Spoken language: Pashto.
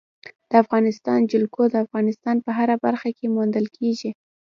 د افغانستان جلکو د افغانستان په هره برخه کې موندل کېږي.